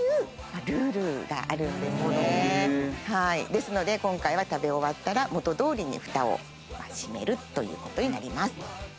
ですので今回は食べ終わったら元どおりにフタを閉めるという事になります。